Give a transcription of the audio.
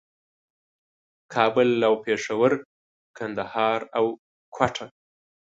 کابل او پېښور، کندهار او کوټه